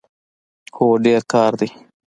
هو، ډیر کار دی